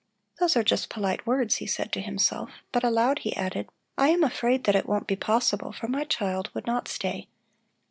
"Those are just polite words," he said to himself, but aloud he added: "I am afraid that it won't be possible, for my child would not stay.